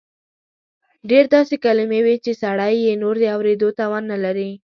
ډېر داسې کلیمې وې چې سړی یې نور د اورېدو توان نه لري.